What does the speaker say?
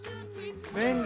便利！